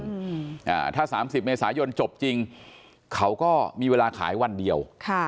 อ่าถ้าสามสิบเมษายนจบจริงเขาก็มีเวลาขายวันเดียวค่ะ